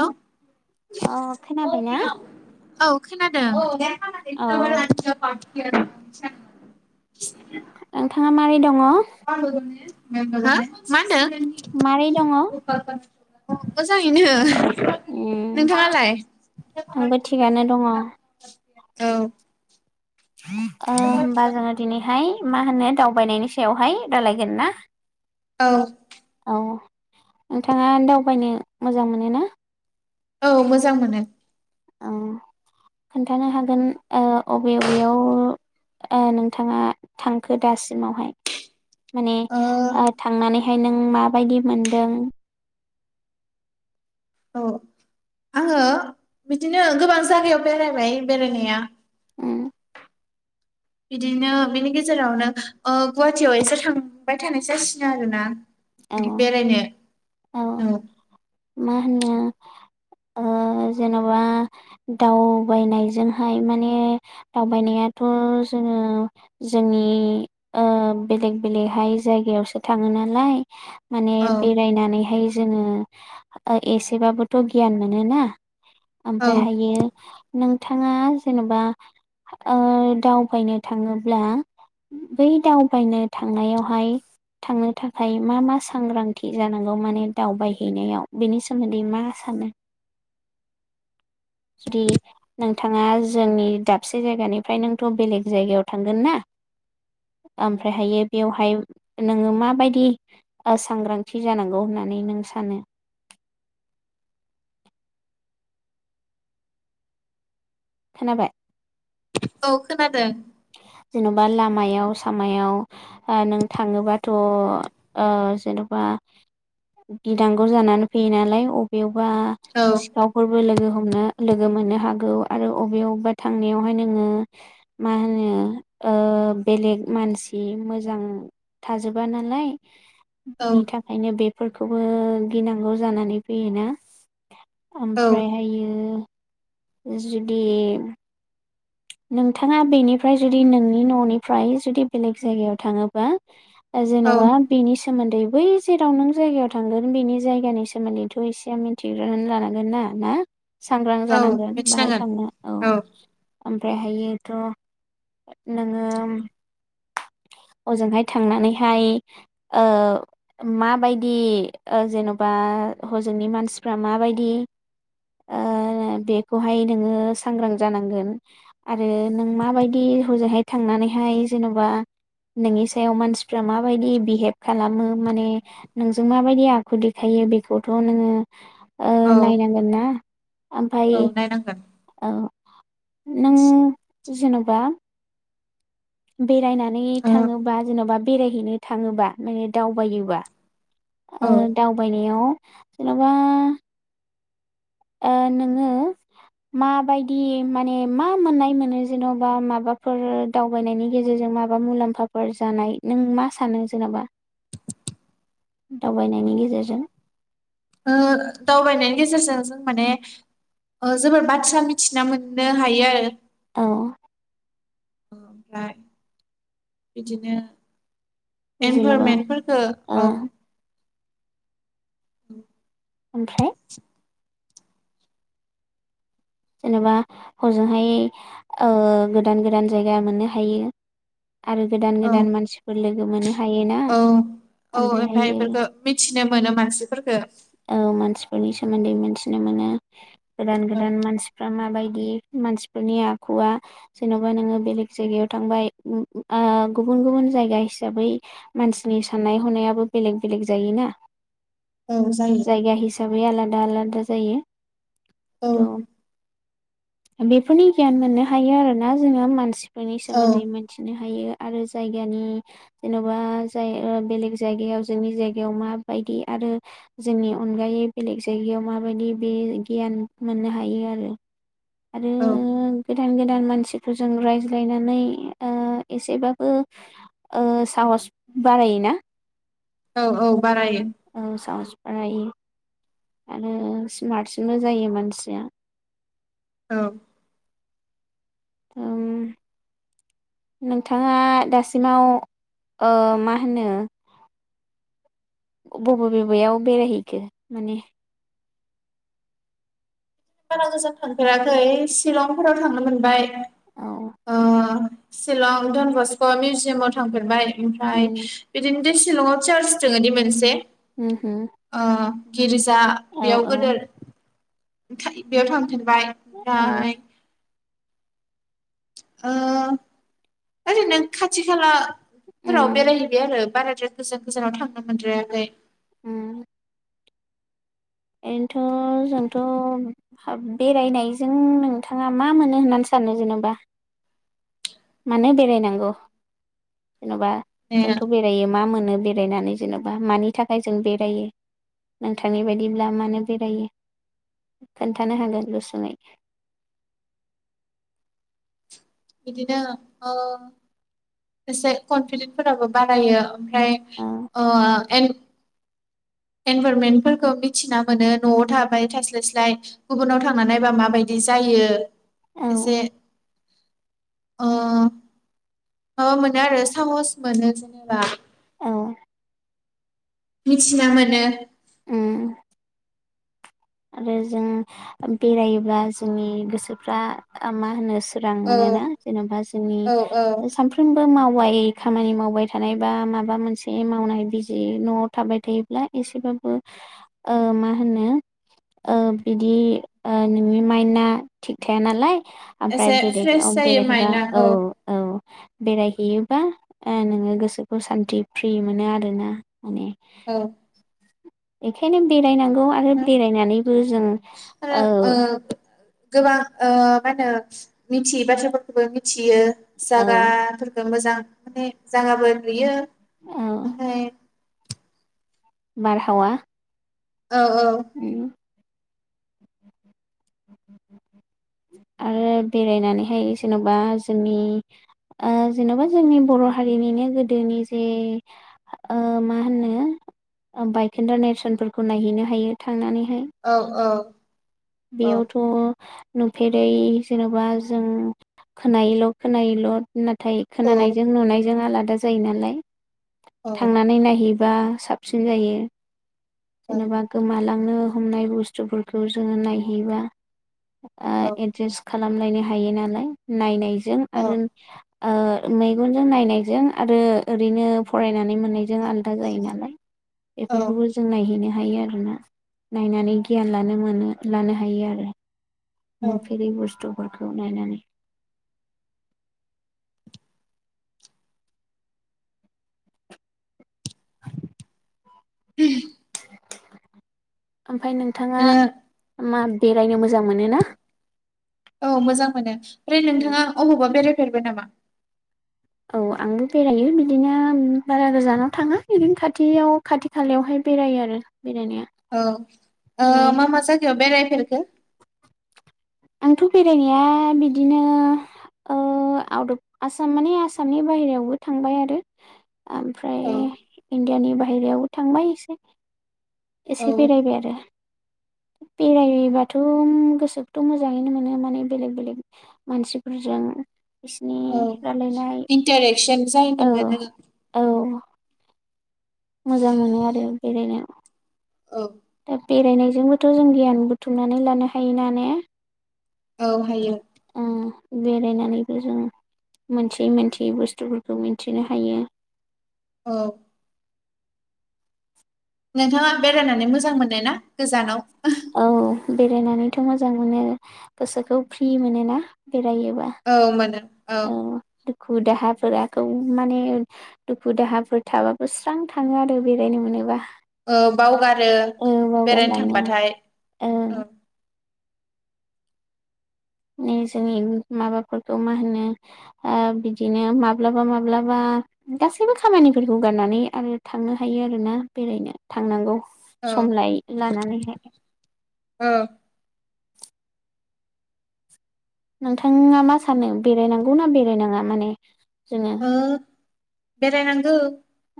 Hello अ खोनाबायना? औ खोनादों। द औ ज ला [unintelligible] ग [unintelligible] नोंथाङा माबारै दं? ना [unintelligible] मारै दङ? अ मोजांङैनो ओम आंबो थिगानो दङ। औ ओ होमबा जोङो दिनैहाय। मा होनो दावबायनायनि सायावहाय रायलायगोन ना? औ आं नोंथाङा दावबायनो मोजां मोन ना? औ मोजां मोनो। ओ खोन्थानो हागोन ओ अबे अबेयाव नोंथाङा थांखो दासिमावहाय? माने ओ थांनानै ओखाय नों माबायदि मोनदों? औ आङो बिदिनो गोबां जायागायाव बेरायबाय बेरायनाया। उम बिदिनो बिनि गेजेरावनो गुवाहाटियाव एसे थांबाय थानाय जासिनो आरोना। औ बेरायनो औ मा होनो जेनबा दावबायनायजोंहाय माने दावबायनायाथ जोङो जोंनि बेलेग बेलेगहाय जायगायावसो थाङो नालाय। [inaudible] माने औ बेरायनानैहाय जोङो एसेबाबोथ गियान मोनोना। औ ओमफ्राय हायो। नोंथाङा जेनेबा ओ दावबायनो थाङोब्ला बै दावबायनो थांनायावहाय थांनो थाखाय। मा मा सांग्रांथि जानांगौ माने दावबाय हैैनायाव बेनि सोमोन्दै मा सानो? जुदि नोंथाङा जोंनि दाबसे जायगानिफ्राय नोंथ' बेलेग जायगायाव थांगोन ना ओमफ्रायहायो बेवहाय नोङो माबायदि ओ सांग्रांथि जानांगौ होननानै नों सानो? खोनाबाय? औ खोनादों। जेन'बा लामायाव सामायाव ओ नों थाङोबाथ' ओ जेन'बा गिनांगौ जानानै फैयो नालाय अबे बा औ सिखावफोरबो लोगो हम नो लोगो मोननो हागौ आरो अबेयावबा थांनायावहाय नोङो मा होनो? ओ बेलेग मानसि मोजां थाजोबा नालाय। औ बिनि थाखायनो बे फोरखौबो गिनांगौ जानानै फैयोना। औ ओमफ्रायहायो जुदि नोंथाङा बेनिफ्राय जुदि नोंनि न'निफ्राय जुदि बेलेग जायगायाव थाङोबा औ जेन'बा बेनि सोमोन्दै बै जेराव नों जायगायाव थांगोन बिनि जायगानि सोमोन्दैथ' एसे मिथिग्रोनानै लानांगोन ना। ना? सांग्रां औ जानांगोन बाहाय मिथिनांगोन थांनो औ। ओमफ्रायहायोथ' नोङो अजोंहाय थांनानैहाय ओ माबायदि ओ जेन'बा हजोंनि मानसिफ्रा माबायदि ओ बेखौहाय नोङो सांग्रां जानांगोन आरो नों माबायदि हजोंहाय थांनानैहाय जेन'बा नोंनि सायाव मानसि फोरा माबायदि बिहेभ खालामो माने नोंजों माबायदि आखु देखायो बेखौथ' नोङो ओ औ नायनांगोन ना ओमफाय औ नायनांगोन औ नों जेन'बा बेरायनानै ओ थाङोबा जेन'बा बेरायहैनो थाङोबा माने दावबायोबा औ ओ दावबायनायाव जेन'बा ओ नोङो माबायदि माने मा मोननाय मोनो? जेन'बा माबाफोर दावबायनायनि गेजेरजों माबा मुलाम्फाफोर जानाय नों मा सानो? जेन'बा दावबायनायनि गेजेरजों ओ दावबायनायनि गेजेरजों जों माने ओ जोङो बाथ्रा मिथिना मोननो हायो आरो अ अ ओमफ्राय बिदिनो जेन'बा एनभारमेन्टफोरखो ओ अ उम ओमफ्राय जेन'बा हजोंहाय ओ गोदान गोदान जायगा मोननो हायो। आरो गोदान औ गोदान मानसिफोर लोगो मोननो हायोना औ ओमफ्राय ओमफ्राय हायो। बेफोरखौ मिथिनो मोनो मानसिफोरखो। सोमोन्दै मिथिनो मोनो। गोदान औ गोदान मानसिफ्रा माबायदि। दि मानसिफोरनि आखुवआ जेन'बा नोङो बेलेग जायगायाव थांबाय ओ गुबुन गुबुन जायगा हिसाबै मानसिनि साननाय हनायाबो बेलेग बेलेग जायोना। औ जायो जायगा हिसाबै आलादा आलादा जायो। औ [unintelligible] बेफोरनि गियान मोननो हायो आरोना जोङो मानसि। फोरनि औ सोमोन्दै मोनथिनो हायो। आरो जायगानि जेन'बा जाय ओ बेलेग जायगायाव जोंनि जायगायाव माबायदि आरो। जोंनि अनगायै बेलेग जायगायाव माबायदि बे गियान मोननो हायो आरो। आरो औ गोदान गोदान मानसि। मानसिफोरजों रायज्लायनानै ओ एसेबाबो साहस बारायोना। औ औ बारायो। औ साहस बारायो आरो स्मार्टसिनबो जायो मानसिया। औ। नोंथाङा दासिमाव ओ मा होनो। बबे बबेयाव बेरायहैखो माने। बारा गोजान थांफेराखै शिलंफोराव थांनो मोनबाय। औ। सिलं धनबस्क' मिउजियामाव थांफेरबाय। ओमफ्राय उम बिदिनो। बे सिलंआव चार्च दोङो दि मोनसे। ओ [unintelligible] गिर्जा औ बेयाव औ गोदोर। [unintelligible] बाय औ ओमफ्राय ओ ओरैनो खाथि खाला। फोराव उम बेरायहैबाय आरो बारा। गोजान गोजानाव थांनो मोनद्रायाखै। उ। ओरैनोथ' जोंथ' बेरायनायजों नोंथाङा मा मोनो होननानै सानो जेनबा। मानो बेराय नांगौ। जेन'बा माने जोंथ' बेरायो मा मोनो। बेरायनानै जेनबा मानि थाखाय जों बेरायो नोंथांनि बायदिब्ला मानो बेरायो खोनथानो हागोन गुसुङै बिदिनो ओ एसे कनफिदेन्दफोराबो बारायो ओमफ्राय औ ओ एन एनभारमेन्टफोरखौ मिथिना मोनो न'आव थाबाय थास्लाय स्लाय गुबुनाव थांना नायबा माबायदि जायो औ एसे अ माबा मोनो आरो साहस मोनो जेनेबा अ मिथिना मोनो उम आरो जों बेरायोब्ला जोंनि गोसोफ्रा मा होनो सो रां औ मोनोना जेन'बा जोंनि औ औ सानफ्रोम मावबाय खामानि मावबाय थानाय बा माबा मोनसे मावनाय बिजि न'आव थाबाय थायोब्ला एसेबाबो ओ मा होनो ओ बिदि ओ नोंनि माइनआ थिग थाया नालाय एसे आमफ्राय फ्रेस बेलेकाव जायो बेरायहैबा माइन्दआ औ औ बेरायहैयोबा ओ नोङो गोसोखौ सान्थि फ्रि मोनो आरोना माने औ एखायनो बेराय नां गौ आरो बेरायनानैबो जों ओ गोबां ओ मा होनो मिथियै बाथ्राफोरखौबो मिथियो औ जागाफोरखौ मोजां माने जागाबो नुयो औ ओमफाय बारहावा औ औ उम आरो बेरायनानैहाय जेन'बा जोंनि ओ जेन'बा जोंनि बर' हारिनिनो गोदोनि जे ओ माहोनो बायखोन्दा नेरसोनफोरखौ नायहैनो हायो थांनानै औ औ औ बेयावथ' नुफेरै जेन'बा जों खोनायोल' खोनायोल' ना थाय औ खोनानायजों नुनायजों आलादा जा जायो नालाय औ थांनानै नायहै बा साबसिन जायो जेनेबा गोमालां नो हमनाय बुस्थुफोरखौ जोङो नायहैयोबा [unintelligible] खालामलायनो हायो नालाय नायनाय जों आरो ओ मेगनजों नायनायजों आरो ओरैनो फरायनानै मोननाय जों आलादा जायो नालाय औ बेफोरखौबो हैनो हायो आरोना नायनानै गियान लानो मोनो लानो हायो आरो। औ नुफेरै बुस्थु फोरखौ नायनानै [inaudible] [inaudible] [inaudible] ओमफ्राय नोंथाङा मा बेरायनो मोजां मोनो ना? औ मोजां मोनो ओमफ्राय नोंथाङा अबावबा बेराय फेरबाय नामा औ आंबो बेरायो बिदिनो बारा गोजानाव थाङा इदिनो खाथियाव खाथि खालायावहाय बेरायो आरो। बेरायनाया औ ओ माने मा मा जायगायाव बेराय फेरखो? आंथ' बेरायनाया बिदिनो ओ आउट अफ आसाम माने आसामनि बाहेरायावबो थांबाय आरो। ओमफ्राय औ इण्डियानि बाहेरायावबो थांबाय एसे औ एसे बेरायबाय आरो। बेरायहैबाथ' गोसोखौथ' मोजाङैनो मोनो माने बेलेग बेलेग मानसिफोरजों बिसिनि रायलायनाय सन जायनो औ मोनो औ मोजां मोनो आरो बेरायनो। औ। दा बेरायनायजोंबोथ' जों गियान बुथुमनानै लानो हायो ना ने। औ हायो। [inaudible] ओ बेरायनानैबो जों मोनथियै मोनथियै बुस्थुफोरखौ मिनथिनो हायो। औ। नोंथाङा बेरायनानै मोजां मोननाय ना गोजानाव? औ बेरायनानैथ' मोजां मोनो गोसोखौ फ्रि मोनोना। बेरायोबा औ मोनो। औ। दुखु दाहाफोराखौ माने दुखु दाहाफोर थाबाबो स्रां थाङो आरो बेरायनो मोनोबा। औ बावगारो औ बेरायनो बावगारलाङो थांबाथाय ओं उम। मे जैन माबाफोरखौ मा होनो ओ बिदिनो माब्लाबा माब्लाबा गासैबो खामानिफोरखौ गारनानै आरो थांनो हायो आरोना बेरायनो थांनांगौ। औ समलाय लानानैहाय। ओ। नोंथाङा मा सानो बेरायनांगौ ना बेरायनाङा माने? जोङो बेराय नांगौ।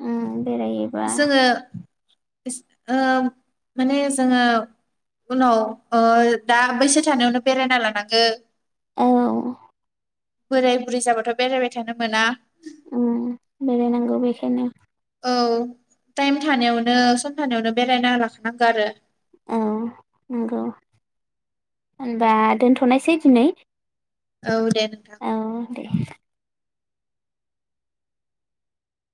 उम बेरायोबा ओस ओ माने जोङो उनाव ओ दा बैसो थानायावनो बेरायना लानांगो। औ। बोराय बुरै जाबाथ' बेरायबाय थानो मोना। उम बेरायनांगौ बेखायनो। औ टाइम थानायावनो सम थानायावनो बेरायना लाखानांगौ आरो। औ नंगौ होनबा दोनथ'नायसै दिनै। औ दे नोंथां। औ दे